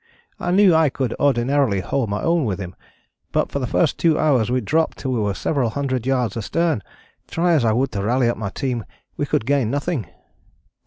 I knew I could ordinarily hold my own with him, but for the first two hours we dropped till we were several hundred yards astern; try as I would to rally up my team we could gain nothing.